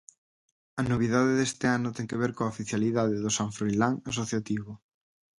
A novidade deste ano ten que ver coa oficialidade do San Froilán Asociativo.